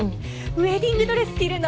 ウェディングドレス着るの？